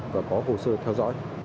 và có hồ sơ theo dõi